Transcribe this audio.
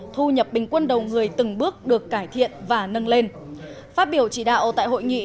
thu nhập bình quân đầu người từng bước được cảnh